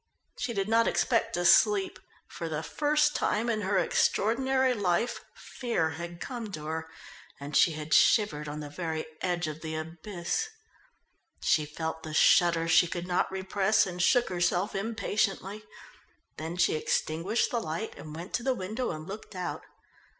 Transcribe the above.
She did not expect to sleep. For the first time in her extraordinary life fear had come to her, and she had shivered on the very edge of the abyss. She felt the shudder she could not repress and shook herself impatiently. Then she extinguished the light and went to the window and looked out.